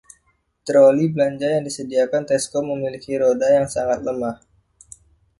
Troli belanja yang disediakan Tesco memiliki roda yang sangat lemah.